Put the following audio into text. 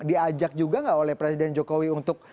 diajak juga nggak oleh presiden jokowi untuk